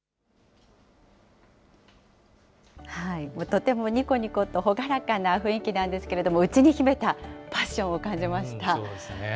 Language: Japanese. とてもにこにこと朗らかな雰囲気なんですけども、内に秘めたパッションを感じました。